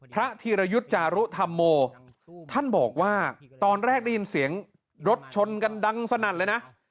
ธีรยุทธ์จารุธรรมโมท่านบอกว่าตอนแรกได้ยินเสียงรถชนกันดังสนั่นเลยนะ